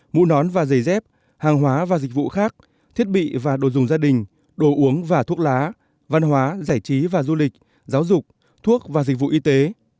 mũ nón và giày dép hàng hóa và dịch vụ khác thiết bị và đồ dùng gia đình đồ uống và thuốc lá văn hóa giải trí và du lịch giáo dục thuốc và dịch vụ y tế